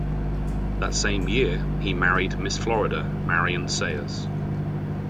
That same year, he married "Miss Florida" Marion Sayers.